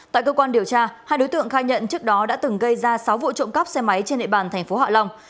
tại cơ quan điều tra hai đối tượng khai nhận trước đó đã từng gây ra sáu vụ trộm cắp xe máy trên địa bàn thành phố hạ long